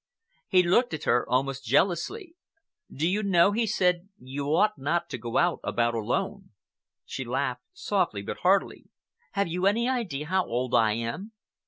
He looked at her almost jealously. "Do you know," he said, "you ought not to go about alone?" She laughed, softly but heartily. "Have you any idea how old I am?"